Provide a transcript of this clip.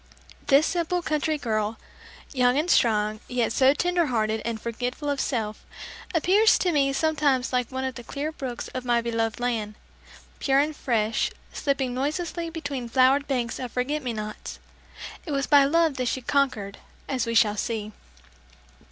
This simple country girl, young and strong, yet so tender hearted and forgetful of self, appears to me sometimes like one of the clear brooks of my beloved land, pure and fresh, slipping noiselessly between flowered banks of forget me nots. It was by love that she "conquered" as we shall see!